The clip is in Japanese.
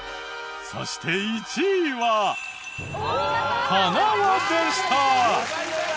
そして１位ははなわでした。